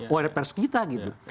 warrant pes kita gitu